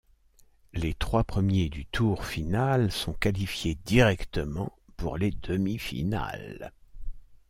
Les trois premiers du tour final sont qualifiés directement pour les demi-finales.